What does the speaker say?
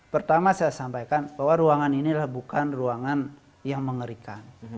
pertama saya sampaikan bahwa ruangan inilah bukan ruangan yang mengerikan